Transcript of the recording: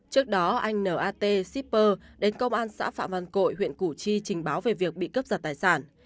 trước đó anh n a t sipper đến công an xã phạm văn cội huyện củ chi trình báo về việc bị cướp giật tài sản